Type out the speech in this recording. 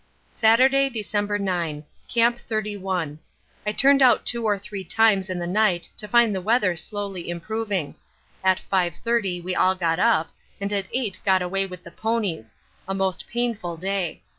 Saturday, December 9. Camp 31. I turned out two or three times in the night to find the weather slowly improving; at 5.30 we all got up, and at 8 got away with the ponies a most painful day.